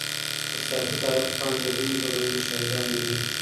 د سياسي تاريخ پاڼي د لويو بدلونونو شاهداني دي.